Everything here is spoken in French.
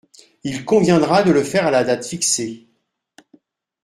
Il conviendra de le faire à la date fixée.